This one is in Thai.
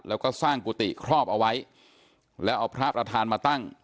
แล้วก็สร้างกุฏิครอบเอาไว้แล้วเอาพระประธานมาตั้ง